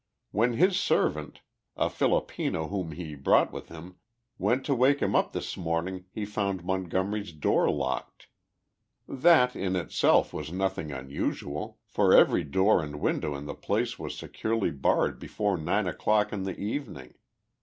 When his servant, a Filipino whom he brought with him, went to wake him up this morning he found Montgomery's door locked. That in itself was nothing unusual for every door and window in the place was securely barred before nine o'clock in the evening.